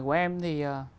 của em thì